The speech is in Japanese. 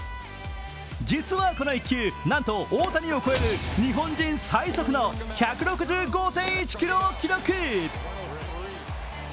実はこの１球、なんと大谷を超える日本人最速の１６５．１キロを記録。